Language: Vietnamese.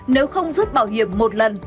nếu không rút bảo hiểm một lần